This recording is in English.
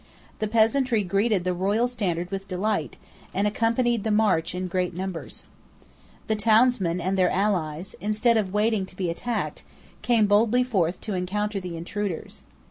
The peasantry greeted the royal standard with delight, and accompanied the march in great numbers. The townsmen and their allies, instead of waiting to be attacked, came boldly forth to encounter the intruders.